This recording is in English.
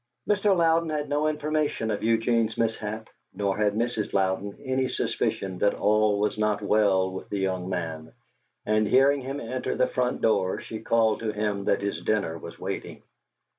Mr. Louden had no information of Eugene's mishap, nor had Mrs. Louden any suspicion that all was not well with the young man, and, hearing him enter the front door, she called to him that his dinner was waiting.